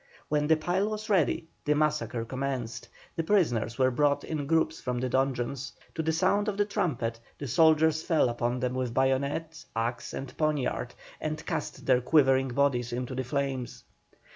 When the pile was ready the massacre commenced, the prisoners were brought in groups from the dungeons; to the sound of the trumpet the soldiers fell upon them with bayonet, axe, and poniard, and cast their quivering bodies into the flames.